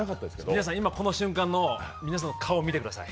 皆さん、今この瞬間の皆さんの顔を見てください。